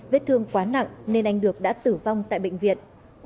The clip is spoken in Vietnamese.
vết thương quá nặng nên anh được đã tử vong tại bệnh viện